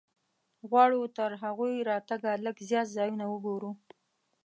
غواړو تر هغوی راتګه لږ زیات ځایونه وګورو.